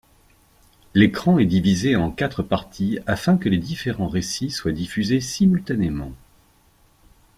L'écran est divisé en quatre parties afin que les différents récits soient diffusés simultanément.